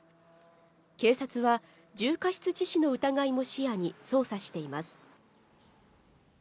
警察は重過失致死の疑いも視野に捜査しています。